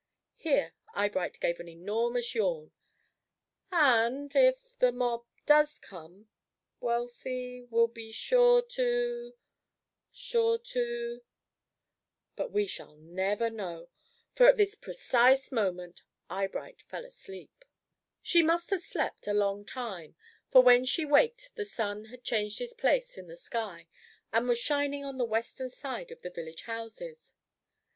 Here Eyebright gave an enormous yawn. "And if the mob does come Wealthy will be sure to sure to " But of what we shall never know, for at this precise moment Eyebright fell asleep. [Illustration: ASLEEP IN THE WOODS.] She must have slept a long time, for when she waked the sun had changed his place in the sky, and was shining on the western side of the village houses.